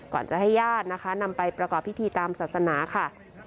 ก่อนจะให้ญาตินะคะนำไปประกอบพิธีตามศาสนาค่ะ